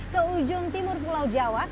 ke ujung timur pulau jawa